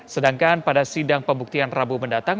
sedangkan pada sidang pembuktian rabu mendatang